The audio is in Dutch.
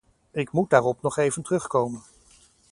Ik moet daarop nog even terugkomen.